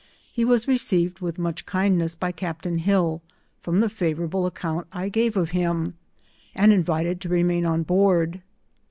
He was received with much kindness by captain Hill, from the favourable account I gave of him, and invited to remain on board.